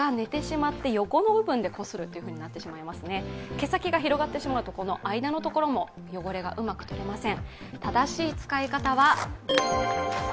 毛先が広がってしまうと、間のところも汚れがうまく取れません。